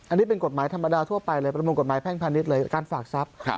อันนี้เป็นกฎหมายธรรมดาทั่วไปเลยประมวลกฎหมายแพ่งพาณิชย์เลยการฝากทรัพย์